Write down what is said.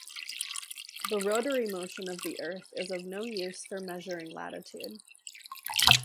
The rotary motion of the earth is of no use for measuring latitude.